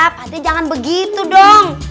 pak de jangan begitu dong